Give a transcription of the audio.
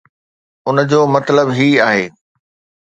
ان جو مطلب هي آهي